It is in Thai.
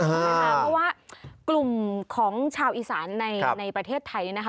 เพราะว่ากลุ่มของชาวอีสานในประเทศไทยนะคะ